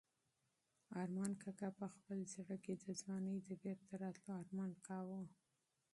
ارمان کاکا په خپل زړه کې د ځوانۍ د بېرته راتلو ارمان کاوه.